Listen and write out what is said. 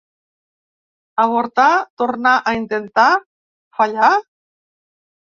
Avortar, tornar a intentar, fallar?